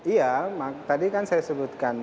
iya tadi kan saya sebutkan